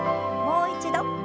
もう一度。